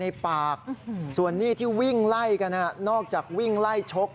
ในปากส่วนหนี้ที่วิ่งไล่กันฮะนอกจากวิ่งไล่ชก